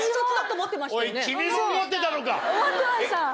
思ってました。